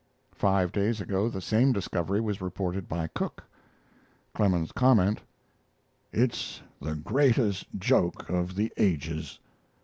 Five days ago the same discovery was reported by Cook. Clemens's comment: "It's the greatest joke of the ages."